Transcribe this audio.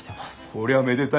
こりゃめでたいぞ。